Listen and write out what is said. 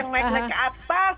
terus yang naik naik ke atas